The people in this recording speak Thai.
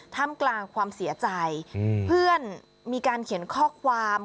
ท่ามกลางความเสียใจเพื่อนมีการเขียนข้อความ